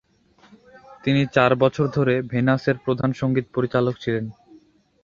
তিনি চার বছর ধরে 'ভেনাস'-এর প্রধান সঙ্গীত পরিচালক ছিলেন।